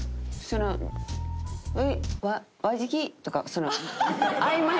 その。